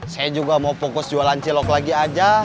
saya juga mau fokus jualan cilok lagi aja